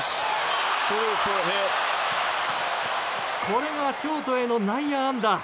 これが、ショートへの内野安打。